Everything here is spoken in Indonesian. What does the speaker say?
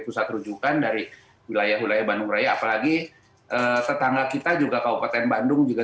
pusat rujukan dari wilayah wilayah bandung raya apalagi tetangga kita juga kabupaten bandung juga